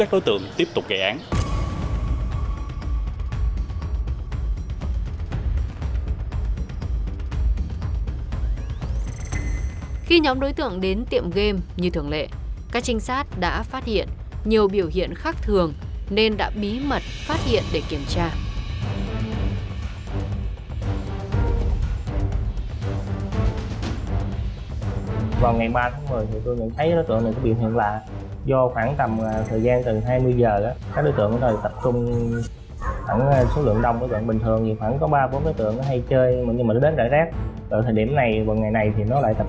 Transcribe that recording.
đối tượng hay chơi nhưng mà nó đến direct ở thời điểm này vào ngày này thì nó lại tập